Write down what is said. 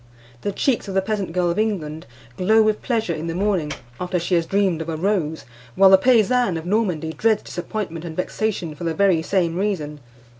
The cheeks of the peasant girl of England glow with pleasure in the morning after she has dreamed of a rose, while the paysanne of Normandy dreads disappointment and vexation for the very same reason.